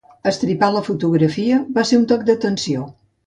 Estripar la fotografia va ser un toc d’atenció.